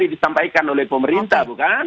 disampaikan oleh pemerintah bukan